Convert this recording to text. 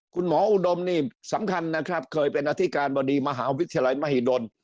คุณหมออุดมสำคัญเคยเป็นอธิการบดีมหาวิทยาลัยมหิดล